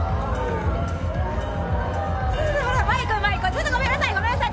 ちょっとごめんなさいごめんなさい